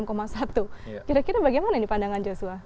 kira kira bagaimana ini pandangan joshua